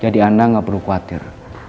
jadi anda gak perlu khawatir